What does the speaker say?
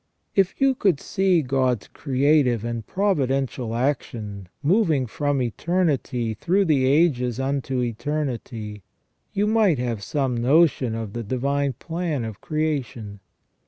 If you could see God's creative and providential action, moving from eternity through the ages unto eternity, you might have some notion of the divine plan of creation.